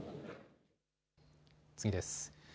次です。